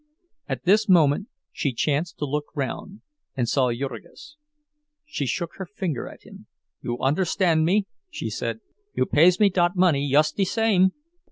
At this moment she chanced to look round, and saw Jurgis: She shook her finger at him. "You understand me," she said, "you pays me dot money yust de same!